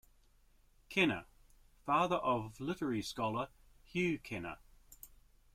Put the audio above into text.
Kenner, father of literary scholar Hugh Kenner.